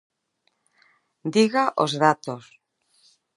¡Diga os datos!